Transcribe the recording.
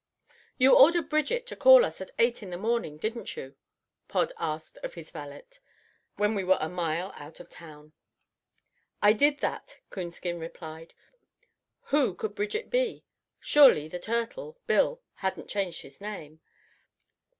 "You ordered Bridget to call us at eight in the morning, didn't you?" Pod asked of his valet, when we were a mile out of town. "I did that," Coonskin replied. Who could Bridget be? Surely the turtle, Bill, hadn't changed his name.